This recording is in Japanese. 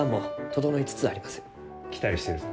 期待してるぞ。